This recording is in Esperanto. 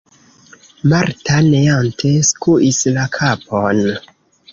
Marta neante skuis la kapon.